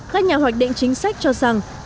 các nhà hoạch định chính sách cho rằng